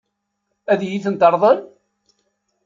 Ad iyi-ten-teṛḍel?